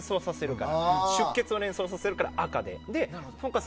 出血、血を連想させるから赤で。